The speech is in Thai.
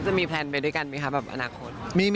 ก็จะมีแพลนไปด้วยกันมั้ยครับแบบอนาคต